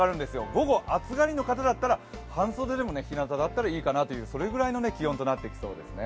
午後、暑がりの方だったら、ひなただったら半袖でもいいかなという、それぐらいの気温となってきそうですね。